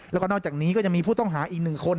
แล้วก็นอกจากนี้ก็ยังมีผู้ต้องหาอีกหนึ่งคน